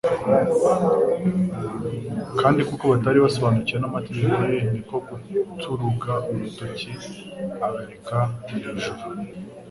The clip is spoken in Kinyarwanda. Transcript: Kandi kuko batari basobanukiwe n'amagambo ye ni ko guturuga urutoki abereka mu ijuru.